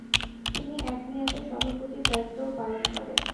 তিনি এক মেয়াদে সভাপতির দায়িত্বও পালন করেন।